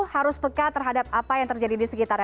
mereka terhadap apa yang terjadi di sekitarnya